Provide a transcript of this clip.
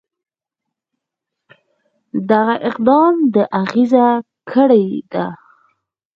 دغه اقدام د اغېزه کړې ده.